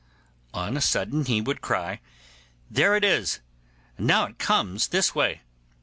On a sudden he would cry, 'There it is; now it comes this way.